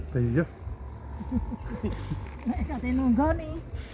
saya tidak menunggu ini